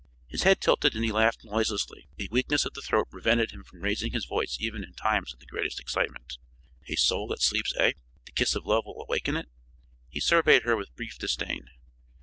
His head tilted and he laughed noiselessly. A weakness of the throat prevented him from raising his voice even in times of the greatest excitement. "A soul that sleeps, eh? The kiss of love will awaken it?" He surveyed her with brief disdain.